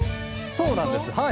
そうなんです。